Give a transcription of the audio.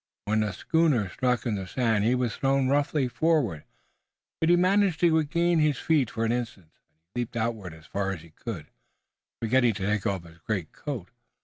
When the schooner struck in the sand he was thrown roughly forward, but he managed to regain his feet for an instant, and he leaped outward as far as he could, forgetting to take off his greatcoat.